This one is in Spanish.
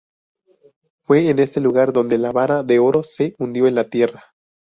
Fue en este lugar donde la vara de oro se hundió en la tierra.